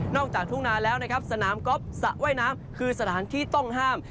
จากทุ่งนาแล้วนะครับสนามก๊อฟสระว่ายน้ำคือสถานที่ต้องห้าม